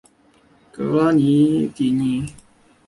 格拉蒂尼。